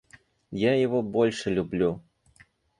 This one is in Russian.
Я его больше люблю.